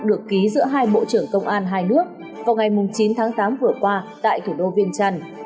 được ký giữa hai bộ trưởng công an hai nước vào ngày chín tháng tám vừa qua tại thủ đô viên trăn